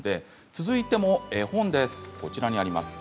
続いても絵本です。